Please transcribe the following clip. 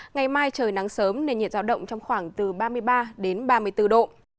ngày mai trời nắng sớm nền nhiệt giao động trong khoảng từ ba mươi ba đến ba mươi bốn độ